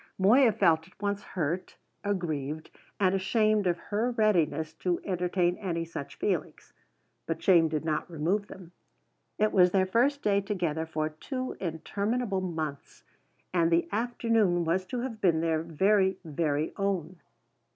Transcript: Moya felt at once hurt, aggrieved, and ashamed of her readiness to entertain any such feelings. But shame did not remove them. It was their first day together for two interminable months, and the afternoon was to have been their very very own.